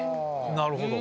なるほど！